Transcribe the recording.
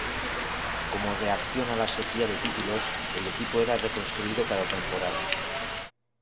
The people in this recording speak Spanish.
Como reacción a la sequía de títulos, el equipo era reconstruido cada temporada.